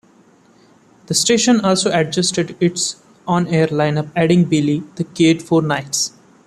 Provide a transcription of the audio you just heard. The station also adjusted its on-air lineup adding Billy The Kidd for nights.